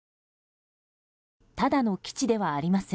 ただの基地ではありません。